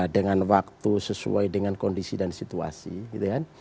dengan waktu sesuai dengan kondisi dan situasi gitu kan